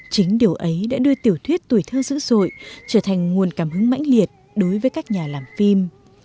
chính điều ấy đã đưa tiểu thuyết tuổi thơ dữ dội trở thành nguồn cảm hứng mãnh liệt đối với các nhà làm phim